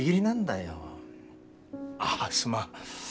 ああすまん。